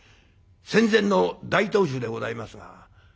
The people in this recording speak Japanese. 戦前の大投手でございますが。